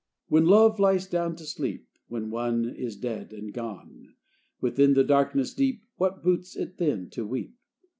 When love lies down to sleep, When one is dead and gone Within the darkness deep What boots it then to weep?